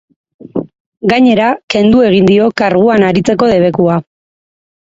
Gainera, kendu egin dio karguan aritzeko debekua.